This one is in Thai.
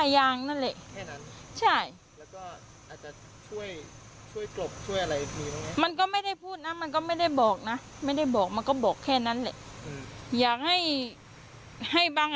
ไหนมันก็ไม่ได้พูดนะมันก็ไม่ได้บอกนะไม่ได้บอกมาก็บอกแค่นั้นเลยยั่งให้ให้บ้าง